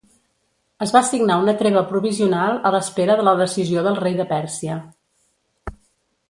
Es va signar una treva provisional a l'espera de la decisió del rei de Pèrsia.